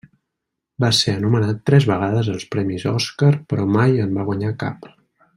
Va ser nomenat tres vegades als premis Oscar però mai en va guanyar cap.